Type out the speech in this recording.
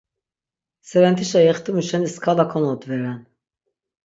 Serentişa yextimu şeni skala konodveren.